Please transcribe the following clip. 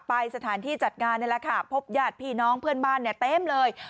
ไปสถานที่จัดงานนี่แหละค่ะพบญาติพี่น้องเพื่อนบ้านเนี่ยเต็มเลย